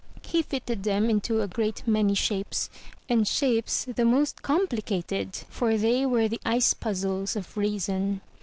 He fitted them into a great many shapes, and shapes the most complicated, for they were the "Ice Puzzles of Reason.